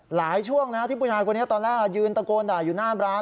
ช่วงนะที่ผู้ชายคนนี้ตอนแรกยืนตะโกนด่าอยู่หน้าร้าน